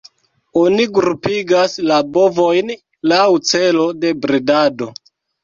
Oni grupigas la bovojn laŭ celo de bredado.